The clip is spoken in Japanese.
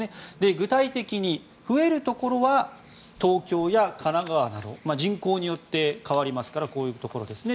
具体的に、増えるところは東京や神奈川など人口によって変わりますからこういうところですね。